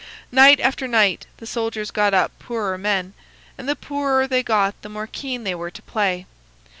Night after night the soldiers got up poorer men, and the poorer they got the more keen they were to play.